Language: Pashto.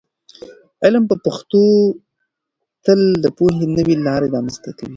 علم په پښتو تل د پوهې نوې لارې رامنځته کوي.